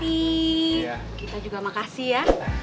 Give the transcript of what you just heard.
kita juga makasih ya